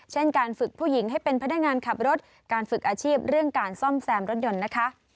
การฝึกผู้หญิงให้เป็นพนักงานขับรถการฝึกอาชีพเรื่องการซ่อมแซมรถยนต์นะคะ